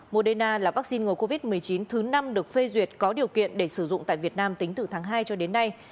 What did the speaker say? moderna là vaccine ngừa covid một mươi chín thứ năm được phê duyệt có điều kiện để sử dụng tại việt nam tính từ tháng hai cho đến nay